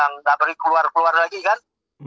nggak pergi keluar keluar lagi kan